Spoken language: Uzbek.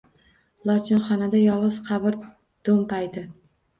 Lochinxonada yolg‘iz qabr do‘mpaydi.